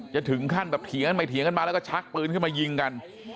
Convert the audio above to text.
ถึงขั้นแบบเถียงกันไปเถียงกันมาแล้วก็ชักปืนขึ้นมายิงกัน